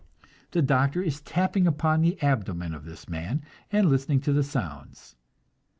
The doctor is tapping upon the abdomen of this man, and listening to the sounds.